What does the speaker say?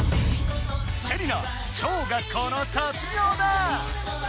セリナ超学校の卒業だ！